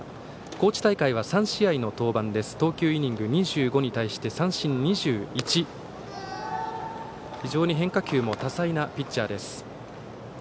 高知大会は３試合の登板で投球イニング２５に対して三振は２１と非常に変化球も多彩なピッチャー。